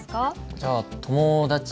じゃあ友達に。